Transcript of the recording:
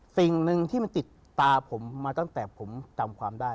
สิ่งหนึ่งที่มันติดตาผมมาตั้งแต่ผมจำความได้